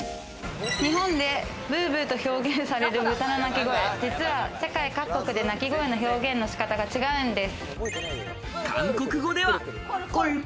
日本でブーブーと表現される豚の鳴き声、実は世界各国で鳴き声の表現の仕方が違うんです。